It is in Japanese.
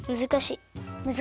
むずかしいのか。